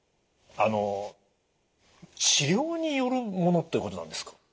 あの治療によるものってことなんですか？